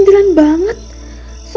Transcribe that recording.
datang kepadi nyto